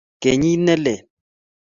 Kenyit ne lel